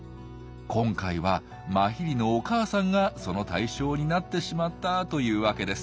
今回はマヒリのお母さんがその対象になってしまったというワケです。